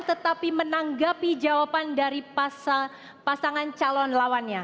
tetapi menanggapi jawaban dari pasangan calon lawannya